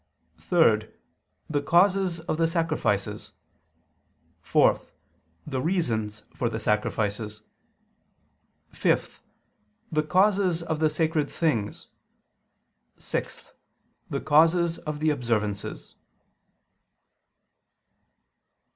(3) The causes of the sacrifices; (4) The causes of the sacrifices; (5) The causes of the sacred things; (6) The causes of the observances.